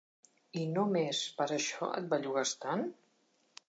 - I no més per això et bellugues tant?